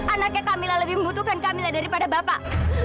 anaknya kamila lebih membutuhkan kamil daripada bapak